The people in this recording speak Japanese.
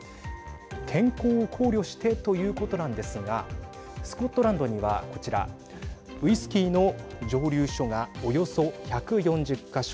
健康を考慮してということなんですがスコットランドにはこちらウイスキーの蒸留所がおよそ１４０か所